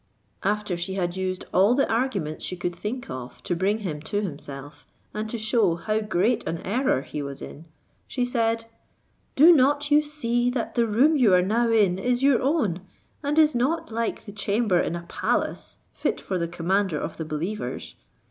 After she had used all the arguments she could think of to bring him to himself, and to shew how great an error he was in, she said, "Do not you see that the room you are now in is your own, and is not like a chamber in a palace fit for the commander of the believers?